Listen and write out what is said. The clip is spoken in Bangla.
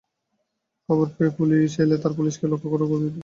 খবর পেয়ে পুলিশ এলে তারা পুলিশকে লক্ষ্য করে দুইটি ককটেল ছোড়ে মারে।